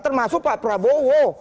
termasuk pak prabowo